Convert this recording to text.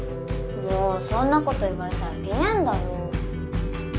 もうそんなこと言われたらぴえんだよ。